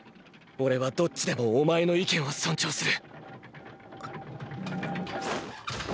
オレはどっちでもお前の意見を尊重する。